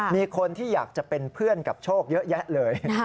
มีคนที่อยากจะเป็นเพื่อนกับโชคเยอะแยะเลย